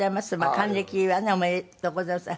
「還暦はねおめでとうございましたが」